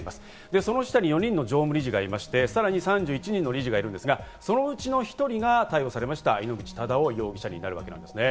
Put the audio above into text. その下に４人の常務理事がいまして、さらに３１人の理事がいるんですが、そのうちの１人が逮捕されました井ノ口忠男容疑者になるんですね。